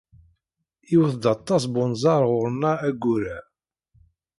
Iwet-d aṭas n unẓar ɣer-neɣ ayyur-a.